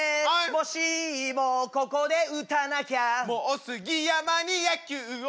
もしもここで打たなきゃもう杉山に野球をやらせるな！